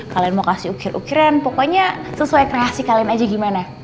kalian mau kasih ukir ukiran pokoknya sesuai kreasi kalian aja gimana